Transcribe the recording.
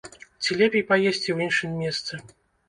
Ці лепей паесці ў іншым месцы.